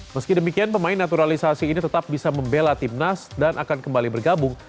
meski demikian pemain naturalisasi ini tetap bisa membela timnas dan akan kembali bergabung